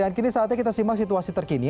ya dan kini saatnya kita simak situasi terkini